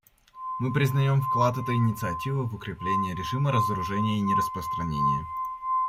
Мы признаем вклад этой инициативы в укрепление режима разоружения и нераспространения.